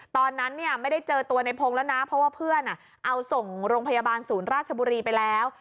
ตอนนั้นเนี่ยไม่ได้เจอตัวในพงศ์แล้วนะเพราะว่าเพื่อนเอาส่งโรงพยาบาลศูนย์ราชบุรีไปแล้ว